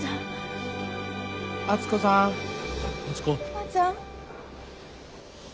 おばあちゃん。